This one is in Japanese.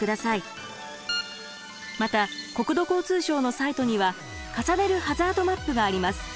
また国土交通省のサイトには「重ねるハザードマップ」があります。